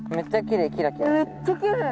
めっちゃきれい。